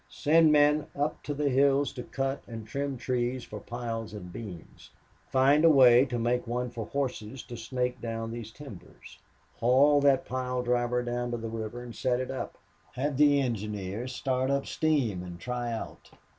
Send men up on the hills to cut and trim trees for piles and beams.... Find a way or make one for horses to snake down these timbers. Haul that pile driver down to the river and set it up.... Have the engineer start up steam and try out....